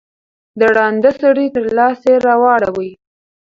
د ړانده سړي تر لاسه یې راوړی